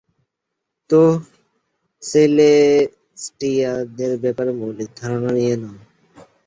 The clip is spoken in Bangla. তো, সেলেস্টিয়ালদের ব্যাপারে মৌলিক ধারণা নিয়ে নাও।